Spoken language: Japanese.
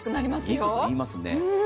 いいこと言いますね。